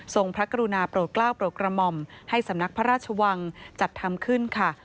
พระกรุณาโปรดกล้าวโปรดกระหม่อมให้สำนักพระราชวังจัดทำขึ้นค่ะ